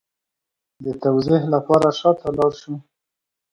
د توضیح لپاره شا ته لاړ شو